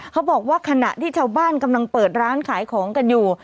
เขาบอกว่าขณะที่ชาวบ้านกำลังเปิดร้านขายของกันอยู่